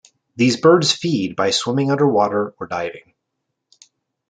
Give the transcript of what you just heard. These birds feed by swimming under water or diving.